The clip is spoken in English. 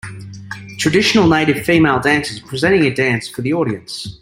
Traditional native, female dancers presenting a dance for the audience.